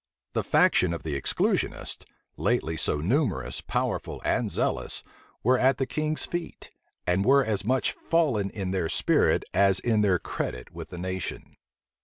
The faction of the exclusionists, lately so numerous, powerful, and zealous, were at the king's feet; and were as much fallen in their spirit as in their credit with the nation.